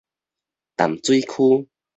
淡水區